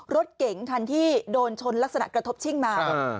รถเก๋งคันที่โดนชนลักษณะกระทบชิ่งมา